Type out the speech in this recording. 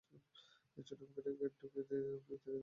ছোট pocket gate দিয়ে ঢুকতে যাবেন, অমনি তেড়ে আসেন দুজন পুলিশ সদস্য।